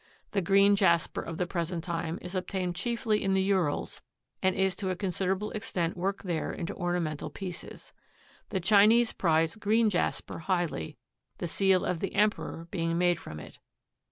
The green jasper of the present time is obtained chiefly in the Urals and is to a considerable extent worked there into ornamental pieces. The Chinese prize green jasper highly, the seal of the Emperor being made from it.